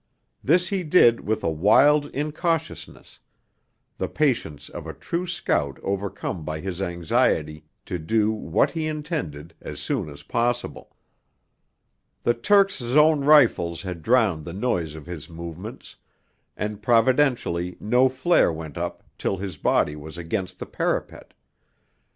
This he did with a wild incautiousness, the patience of the true scout overcome by his anxiety to do what he intended as soon as possible. The Turks' own rifles had drowned the noise of his movements, and providentially no flare went up till his body was against the parapet.